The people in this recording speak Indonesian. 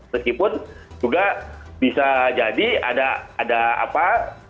meskipun juga bisa jadi ada apa